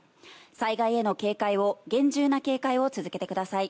災害への警戒を厳重な警戒を続けてください。